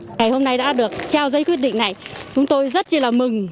ngày hôm nay đã được theo dây quyết định này chúng tôi rất là mừng